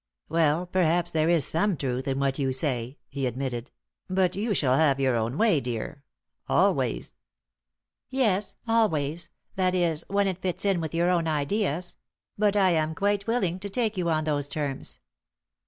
"Well, perhaps there is some truth in what you say," he admitted, "but you shall have your own way, dear always." "Yes, always, that is when it fits in with your own ideas; but I am quite willing to take you on those terms.